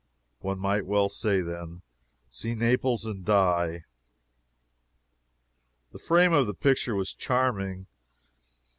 One might well say, then, "See Naples and die." The frame of the picture was charming, itself.